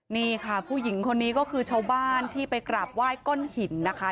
นี่ค่ะผู้หญิงคนนี้ก็คือชาวบ้านที่ไปกราบไหว้ก้นหินนะคะ